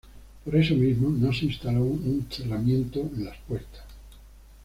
Por eso mismo no se instaló un cerramiento en las puertas.